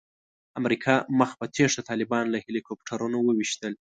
امریکا مخ په تېښته طالبان له هیلي کوپټرونو وویشتل.